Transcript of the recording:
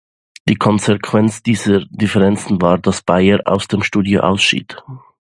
Die Konsequenz dieser Differenzen war, dass Beyer aus dem Studio ausschied.